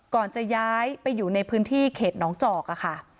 ก่อนจะย้ายไปอยู่ในพื้นที่เขตน้องจอกค่ะ